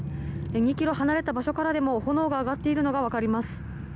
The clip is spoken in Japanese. ２キロ離れた場所からでも炎が上がっているのがわかります。